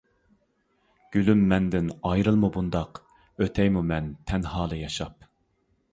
گۈلۈم مەندىن ئايرىلما بۇنداق، ئۆتەيمۇ مەن تەنھالا ياشاپ.